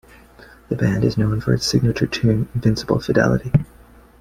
The band is known for its signature tune "Invincible Fidelity".